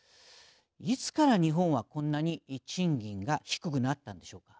いつから日本はこんなに賃金が低くなったんでしょうか。